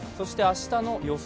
明日の予想